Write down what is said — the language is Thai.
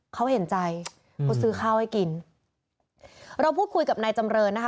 เขาเห็นใจเขาซื้อข้าวให้กินเราพูดคุยกับนายจำเรินนะคะ